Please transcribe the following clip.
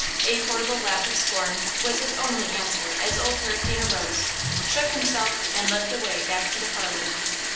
A horrible laugh of scorn was his only answer as Old Hurricane arose, shook himself and led the way back to the parlor.